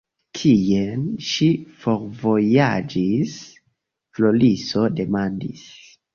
Kien ŝi forvojaĝis? Floriso demandis.